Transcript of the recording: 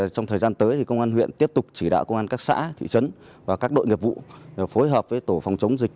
trong thời gian tới công an huyện tiếp tục chỉ đạo công an các xã thị trấn và các đội nghiệp vụ phối hợp với tổ phòng chống dịch